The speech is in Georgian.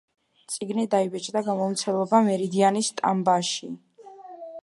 წიგნი დაიბეჭდა გამომცემლობა „მერიდიანის“ სტამბაში.